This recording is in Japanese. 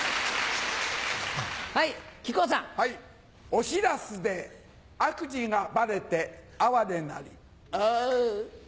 お白州で悪事がバレて哀れなり。